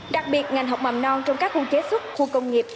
đặc biệt ngành học mầm non trong các khu chế xuất khu công nghiệp